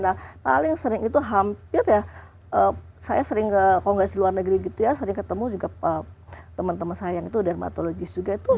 nah paling sering itu hampir ya saya sering ke kongres di luar negeri gitu ya sering ketemu juga teman teman saya yang itu dermatologis juga itu